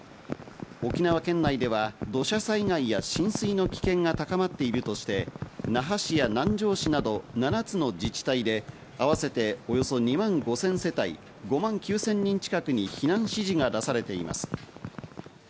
沖縄県内では土砂災害や浸水の危険が高まっているとして、那覇市や南城市など７つの自治体であわせておよそ２万５０００世帯、５万９０００人近くに避難指示が出されています。